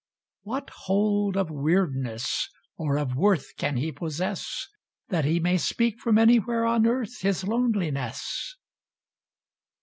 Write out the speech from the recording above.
What hold of weirdness or of worth Can he possess. That he may speak from anywhere on earth His loneliness?